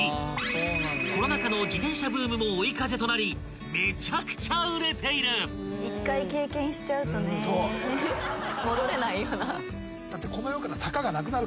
［コロナ禍の自転車ブームも追い風となりめちゃくちゃ売れている］だって。